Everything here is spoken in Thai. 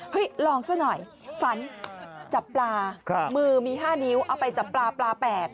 ลองซะหน่อยฝันจับปลามือมี๕นิ้วเอาไปจับปลาปลาแปลก